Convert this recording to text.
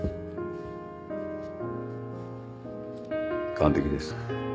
完璧です。